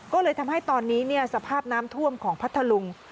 ก็เลยทำให้ตอนนี้สภาพน้ำท่วมของพัทธลุง